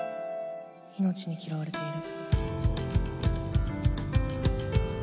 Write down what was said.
「命に嫌われている。」。